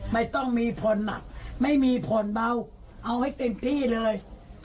ไม่ต้องมีผลอ่ะไม่มีผลเบาเอาให้เต็มที่เลย